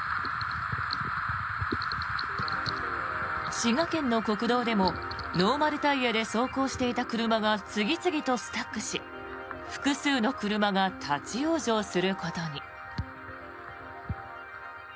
滋賀県の国道でもノーマルタイヤで走行していた車が次々とスタックし複数の車が立ち往生することに。